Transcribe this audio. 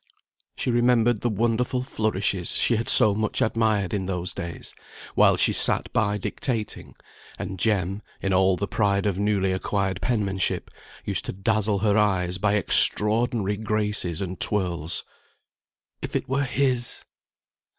She remembered the wonderful flourishes she had so much admired in those days, while she sat by dictating, and Jem, in all the pride of newly acquired penmanship, used to dazzle her eyes by extraordinary graces and twirls. If it were his!